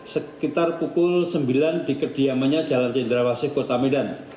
sekitar pukul sembilan di kediamannya jalan cendrawasih kota medan